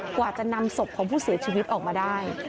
กว่าจะนำศพของผู้เสียชีวิตออกมาได้